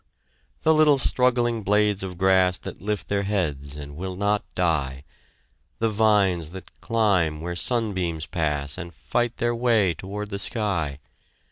The little struggling blades of grass That lift their heads and will not die, The vines that climb where sunbeams pass, And fight their way toward the sky!